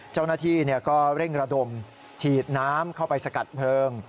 เจ้าหน้าที่ก็เร่งระดมฉีดน้ำเข้าไปสกัดเพลิง